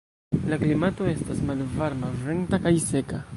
La klimato estas malvarma, venta kaj seka.